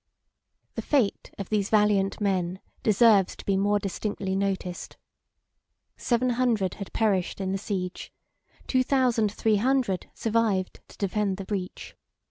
The fate of these valiant men deserves to be more distinctly noticed. Seven hundred had perished in the siege, two thousand three hundred survived to defend the breach.